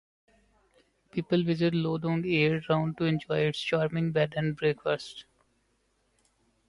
People visit Luodong year-round to enjoy its charming bed and breakfasts.